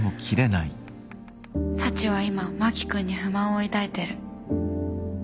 サチは今真木君に不満を抱いてる。